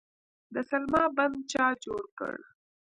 د سلما بند چا جوړ کړ؟